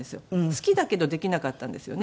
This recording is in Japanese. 好きだけどできなかったんですよね。